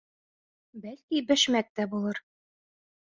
«Бәлки, бәшмәк тә булыр...»